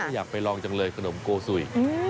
อยากไปลองจังเลยขนมโกสุย